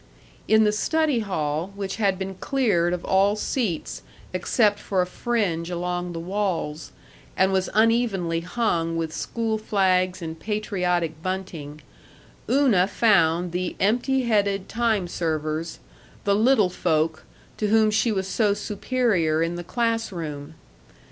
In the study hall, which had been cleared of all seats except for a fringe along the walls, and was unevenly hung with school flags and patriotic bunting, Una found the empty headed time servers, the Little Folk, to whom she was so superior in the class room.